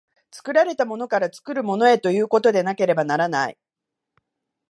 作られたものから作るものへということでなければならない。